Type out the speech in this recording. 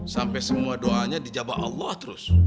sampai semua doanya dijabah allah terus